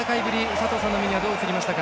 佐藤さんの目にはどう映りましたか？